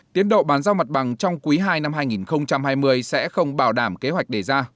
tiến độ bàn giao mặt bằng trong quý ii năm hai nghìn hai mươi sẽ không bảo đảm kế hoạch đề ra